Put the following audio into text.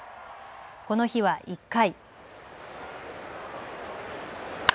この日は１回。